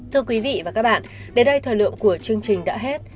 thưa quý vị và các bạn đến đây thời lượng của chương trình đã hết